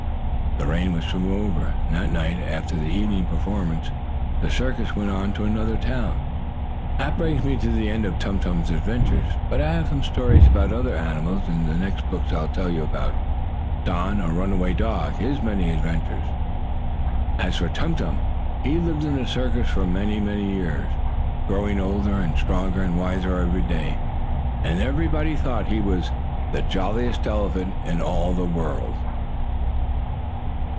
The rain was soon over, and that night, after the evening performance, the circus went on to another town. That brings me to the end of Tum Tum's adventures. But I have some stories about other animals, and in the next book I'll tell you about "Don, a Runaway Dog; His Many Adventures." As for Tum Tum, he lived in the circus for many, many years, growing older and stronger and wiser every day, and everybody thought he was the jolliest elephant in all the world.